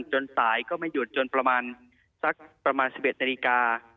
จนสายก็ไม่หยุดจนประมาณสักประมาณ๑๑นาฬิกา